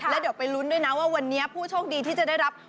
แล้วเดี๋ยวไปลุ้นด้วยนะว่าวันนี้ผู้โชคดีที่จะได้รับ